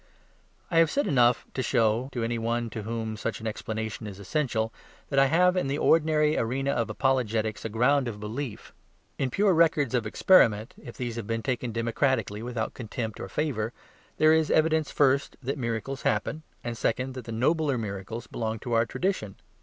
I have now said enough to show (to any one to whom such an explanation is essential) that I have in the ordinary arena of apologetics, a ground of belief. In pure records of experiment (if these be taken democratically without contempt or favour) there is evidence first, that miracles happen, and second that the nobler miracles belong to our tradition.